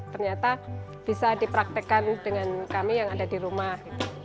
ternyata bisa dipraktekkan dengan kami yang ada di rumah